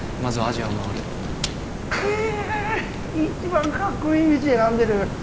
ヒェ一番カッコいい道選んでる。